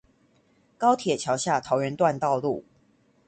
高鐵橋下桃園段道路